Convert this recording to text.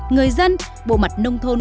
người dân bộ mặt nông thôn